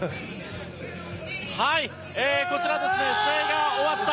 こちら試合が終わった